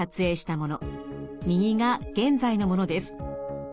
右が現在のものです。